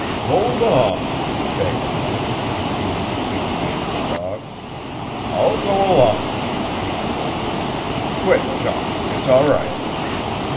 "Hold on!" begged Link, intervening between the man and the dog. "I'll go along with you peaceful. Quit, Chum! It's all right!"